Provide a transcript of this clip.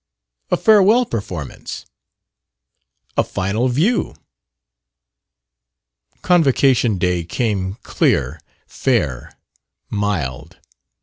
"A farewell performance." "A final view." Convocation day came clear, fair, mild.